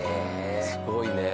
すごいねえ。